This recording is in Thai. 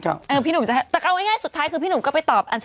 แต่เอาไงเอ่ยอั้นสุดท้ายก็ไปตอบ